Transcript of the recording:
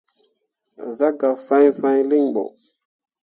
Zah gah fãi fãi linɓo.